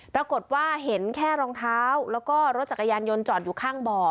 ปรากฏว่าเห็นแค่รองเท้าแล้วก็รถจักรยานยนต์จอดอยู่ข้างบ่อ